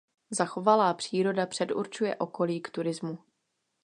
Zachovalá příroda předurčuje okolí k turismu.